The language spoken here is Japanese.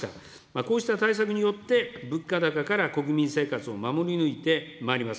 こうした対策によって、物価高から国民生活を守り抜いてまいります。